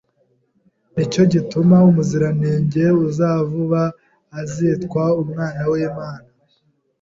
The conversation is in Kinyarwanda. ni cyo gituma Umuziranenge uzavuka azitwa Umwana w’Imana